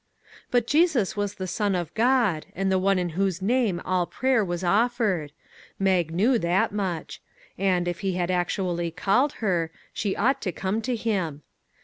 But Jesus was the Son of God, and the one in whose name all prayer was offered ; Mag knew that much; and, if he had actually called her, she ought to come to him.